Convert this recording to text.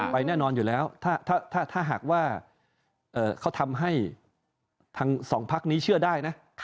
ไปแน่นอนอยู่แล้วถ้าหากว่าเขาทำให้ทั้งสองพักนี้เชื่อได้นะ